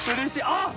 あっ！